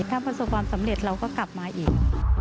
ถ้าประสบความสำเร็จเราก็กลับมาอีก